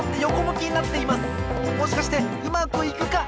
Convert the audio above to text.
もしかしてうまくいくか！？